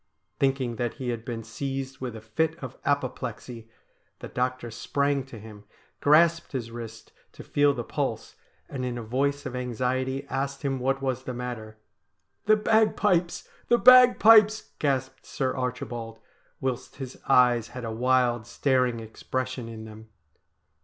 Thinking that he had been seized with a fit of apoplexy the doctor sprang to him, grasped his wrist to feel the pulse, and in a voice of anxiety asked him what was the matter. ' The bagpipes ! the bagpipes !' gasped Sir Archibald, whilst his eyes had a wild, staring expression in them.